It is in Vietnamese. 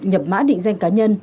nhập mã định danh cá nhân